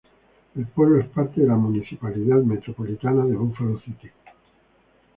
El pueblo es parte de la Municipalidad Metropolitana de Buffalo City.